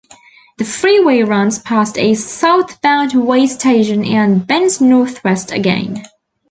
The freeway runs past a southbound weigh station and bends northwest again.